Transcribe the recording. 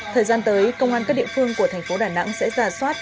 thời gian tới công an các địa phương của thành phố đà nẵng sẽ giả soát